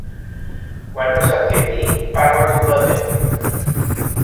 Quan no sap què dir parla com la tele.